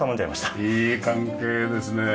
ああいい関係ですね。